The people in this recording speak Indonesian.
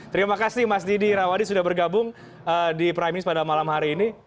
terima kasih mas didi rawadi sudah bergabung di prime news pada malam hari ini